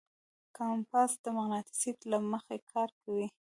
کمپاس د مقناطیس له مخې کار کوي.